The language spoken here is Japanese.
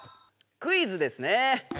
「クイズ」ですね。